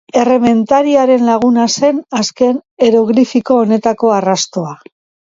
Errementariaren laguna zen azken eroglifiko honetako arrastoa.